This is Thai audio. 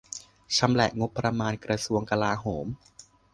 ชำแหละงบประมาณ "กระทรวงกลาโหม"